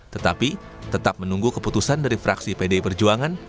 tetapi tetap menunggu keputusan dari fraksi pdi perjuangan